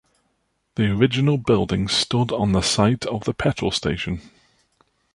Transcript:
The original building stood on the site of the petrol station.